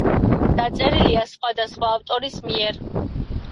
დაწერილია სხვადასხვა ავტორის მიერ.